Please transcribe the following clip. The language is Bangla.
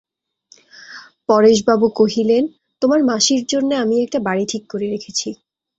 পরেশবাবু কহিলেন, তোমার মাসির জন্যে আমি একটি বাড়ি ঠিক করে রেখেছি।